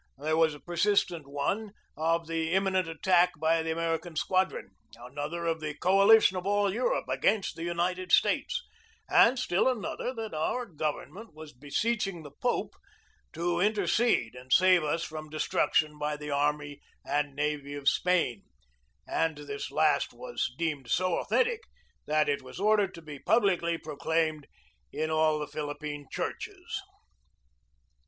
There was a persistent one of the imminent 186 FINAL PREPARATIONS FOR WAR 187 attack by the American squadron, another of the coalition of all Europe against the United States, and still another that our government was beseech ing the Pope to intercede and save us from destruc tion by the army and navy of Spain, and this last was deemed so authentic that it was ordered to be publicly proclaimed in all the Philippine churches.